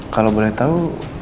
kalau boleh tahu